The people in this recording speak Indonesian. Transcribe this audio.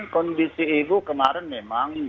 kondisi ibu kemarin memang